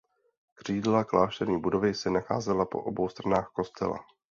Křídla klášterní budovy se nacházela po obou stranách kostela.